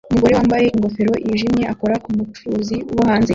Umugore wambaye ingofero yijimye akora ku mucuruzi wo hanze